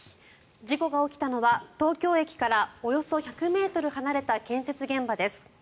事故が起きたのは東京駅からおよそ１００ｍ離れた建設現場です。